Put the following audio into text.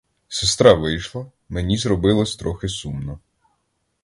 Сестра вийшла, мені зробилось трохи сумно.